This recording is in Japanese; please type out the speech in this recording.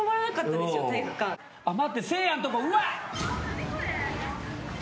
待ってせいやんとこうわっ！